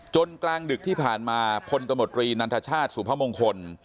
กลางดึกที่ผ่านมาพลตมตรีนันทชาติสุพมงคล